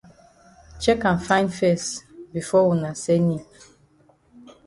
Chek am fine fes before wuna send yi.